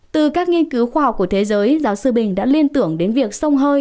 từ các nghiên cứu khoa học của thế giới giáo sư bình đã liên tưởng đến việc sông hơi